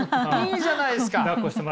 いいじゃないですか！